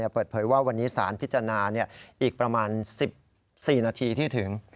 เปิดเผยว่าวันนี้สารพิจารณาอีกประมาณ๑๔นาทีที่ถึง